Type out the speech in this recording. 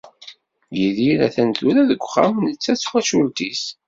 Yidir atan tura deg uxxam netta d twacult-is.